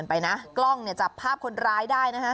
ติดตามกันไปนะกล้องเนี่ยจับภาพคนร้ายได้นะฮะ